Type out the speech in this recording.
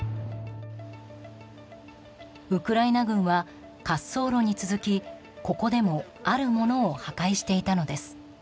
ウクライナ軍は滑走路に続き、ここでもあるものを破壊していたのです。